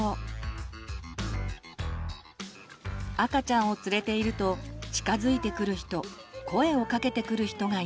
赤ちゃんを連れていると近づいてくる人声をかけてくる人がいます。